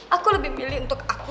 aku lebih milih untuk aku